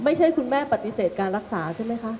ไม่ใช่คุณแม่ปฏิเสธการรักษาใช่ไหมคะ